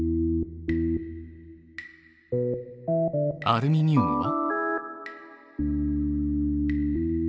アルミニウムは？